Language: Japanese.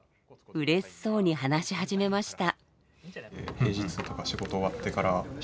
うれしそうに話し始めました。